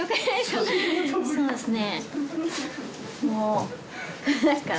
そうですね